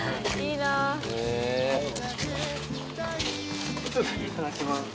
いただきます。